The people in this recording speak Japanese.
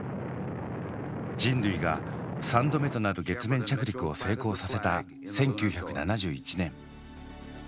人類が３度目となる月面着陸を成功させた１９７１年。